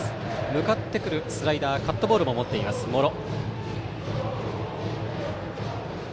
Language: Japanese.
向かってくるスライダーカットボールも持っている茂呂。